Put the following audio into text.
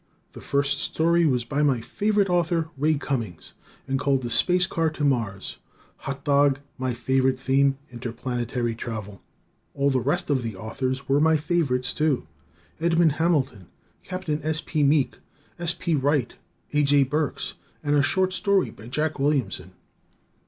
The first story was by my favorite author, Ray Cummings, and called "The Space Car to Mars." Hot dog! My favorite theme, interplanetary travel. All the rest of the Authors were my favorites too! Edmond Hamilton, Capt. S. P. Meek, S. P. Wright, A. J. Burks and a short story by Jack Williamson.